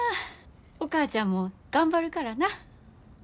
お母ちゃんも頑張るからな。